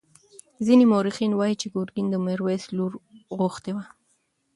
ځینې مورخین وایي چې ګرګین د میرویس لور غوښتې وه.